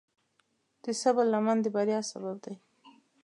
د صبر لمن د بریا سبب دی.